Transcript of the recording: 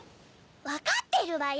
わかってるわよ